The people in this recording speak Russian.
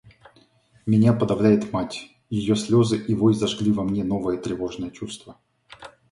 Меня подавляет мать; ее слезы и вой зажгли во мне новое, тревожное чувство.